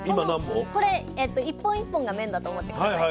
これ一本一本が麺だと思って下さい。